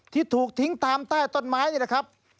ที่ถูกทิ้งตามใต้ต้นไม้นี่นะครับ